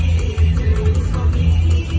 สวัสดีครับ